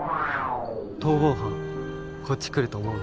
逃亡犯こっち来ると思う？